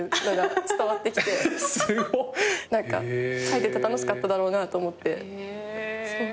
書いてて楽しかっただろうなと思って。